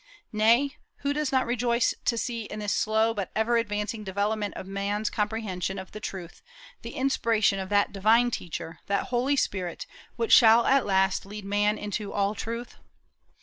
Nay, who does not rejoice to see in this slow but ever advancing development of man's comprehension of the truth the inspiration of that Divine Teacher, that Holy Spirit, which shall at last lead man into all truth?